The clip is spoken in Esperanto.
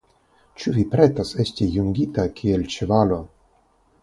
Ĉu vi pretas esti jungita kiel ĉevalo?